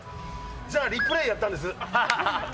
じゃあ、リプレイやったんです。